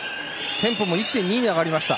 テンポも１．２に上がりました。